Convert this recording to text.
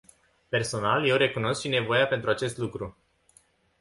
Personal, eu recunosc și nevoia pentru acest lucru.